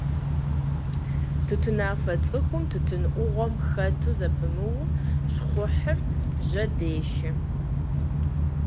Тутынафэ цӀыхум тутын Ӏугъуэм хэту зэпымыууэ щхъухьыр жьэдешэ.